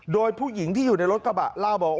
โดยผู้หญิงที่อยู่ในรถกระบะเล่าบอกว่า